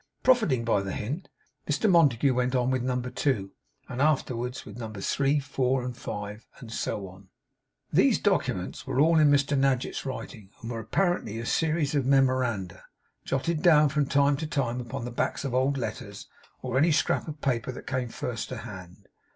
Profiting by the hint, Mr Montague went on with Number Two, and afterwards with Numbers Three, and Four, and Five, and so on. These documents were all in Mr Nadgett's writing, and were apparently a series of memoranda, jotted down from time to time upon the backs of old letters, or any scrap of paper that came first to hand.